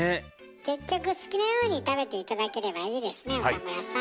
結局好きなように食べて頂ければいいですね岡村さん。